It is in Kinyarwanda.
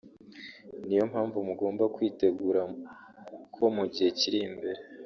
niyo mpamvu mugomba kwitegura ko mu gihe kiri imbere